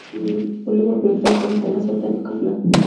Volumen Brutal" con el tema "Satánico plan".